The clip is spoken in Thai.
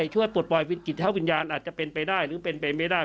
ช่วยปลดปล่อยเป็นจิตเท้าวิญญาณอาจจะเป็นไปได้หรือเป็นไปไม่ได้